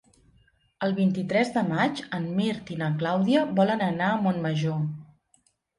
El vint-i-tres de maig en Mirt i na Clàudia volen anar a Montmajor.